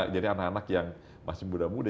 jadi anak anak yang masih muda muda